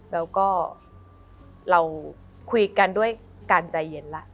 แล้วก็เราคุยกันด้วยการใจเย็นแล้ว